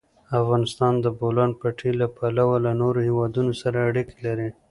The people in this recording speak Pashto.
افغانستان د د بولان پټي له پلوه له نورو هېوادونو سره اړیکې لري.